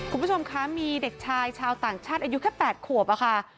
คุณผู้ชมคะมีเด็กชายชาวต่างชาติอายุแค่๘ขวบอะค่ะ